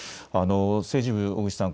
政治部、小口さん